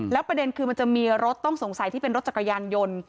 แล้วประเด็นคือมันจะมีรถต้องสงสัยที่เป็นรถจักรยานยนต์